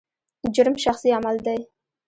جرم شخصي عمل دی.